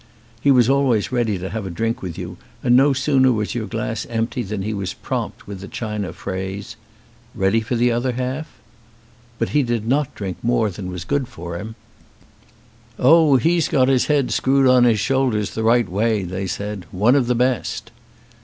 He was always ready to have a drink with you and no sooner was your glass empty than he was prompt with the China phrase: "Ready for the other half?" But he did not drink more than was good for him. 211 ON A CHINESE SCREEN "Oh, he's got his head screwed on his shoulders the right way," they said. "One of the best."